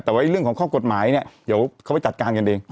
แต่ว่าเรื่องของข้อกฎหมายเนี่ยเดี๋ยวเขาไปจัดการกันเอง